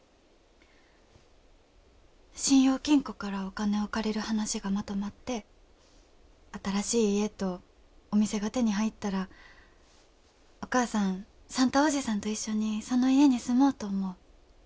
信用金庫からお金を借りる話がまとまって新しい家とお店が手に入ったらお母さん算太伯父さんと一緒にその家に住もうと思う。